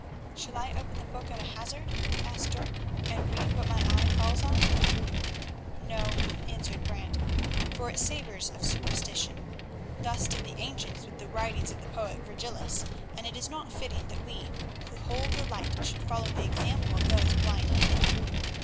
"Shall I open the Book at a hazard," asked Dirk, "and read what my eye falls on?" "No," answered Brant, "for it savours of superstition; thus did the ancients with the writings of the poet Virgilius, and it is not fitting that we who hold the light should follow the example of those blind heathen.